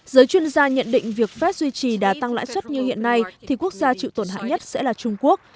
giới chuyên gia nhận định việc phép duy trì đã tăng lãi suất như hiện nay thì quốc gia chịu tổn hại nhất sẽ là trung quốc